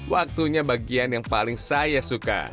waktunya bagian yang paling saya suka